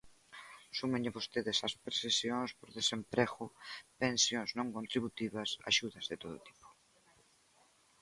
Súmenlle vostedes as percepcións por desemprego, pensións non contributivas, axudas de todo tipo.